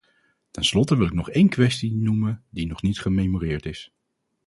Ten slotte wil ik nog één kwestie noemen die nog niet gememoreerd is.